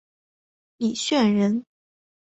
李绚人。